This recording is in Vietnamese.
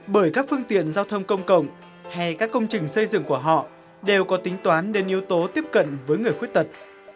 bởi các phương tiện giao thông công cộng hay các công trình xây dựng của họ đều có tính toán đến yếu tố tiếp cận với người khuyết tật